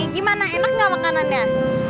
gimana enak gak makanannya